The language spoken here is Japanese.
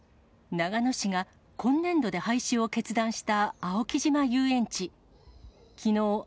長野市が今年度で廃止を決断した青木島遊園地。